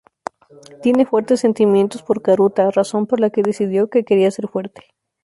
Tiene fuertes sentimientos por Karuta, razón por la que decidió que quería ser fuerte.